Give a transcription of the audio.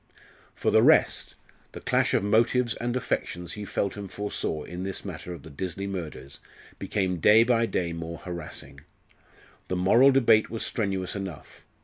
For the rest, the clash of motives and affections he felt and foresaw in this matter of the Disley murders, became day by day more harassing. The moral debate was strenuous enough.